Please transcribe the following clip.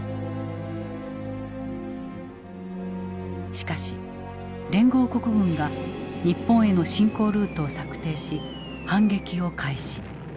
しかし連合国軍が日本への進攻ルートを策定し反撃を開始。